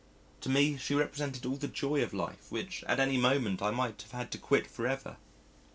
To me she represented all the joy of life which at any moment I might have had to quit for ever.